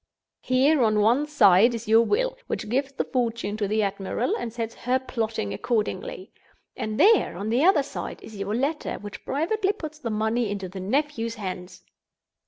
Here, on one side, is your will, which gives the fortune to the admiral, and sets her plotting accordingly. And there, on the other side, is your letter, which privately puts the money into the nephew's hands!"